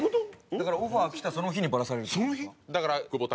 だからオファー来たその日にバラされるんですよ。